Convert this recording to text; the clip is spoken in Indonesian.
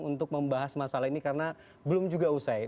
untuk membahas masalah ini karena belum juga usai